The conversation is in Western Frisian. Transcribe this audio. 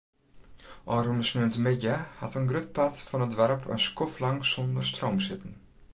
Ofrûne sneontemiddei hat in grut part fan it doarp in skoftlang sonder stroom sitten.